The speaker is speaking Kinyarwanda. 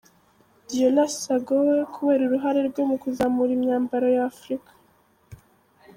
Deola Sagoe, kubera uruhare rwe mu kuzamura imyambaro ya Africa.